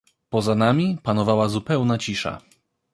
"Poza nami panowała zupełna cisza."